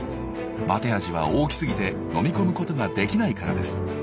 マテアジは大きすぎて飲み込むことができないからです。